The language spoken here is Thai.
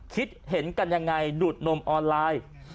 คิดเห็นกันยังไงดูดนมออนไลน์